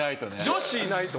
女子いないと。